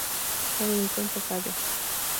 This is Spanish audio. El intento falló.